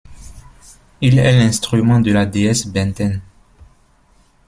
Il est l'instrument de la déesse Benten.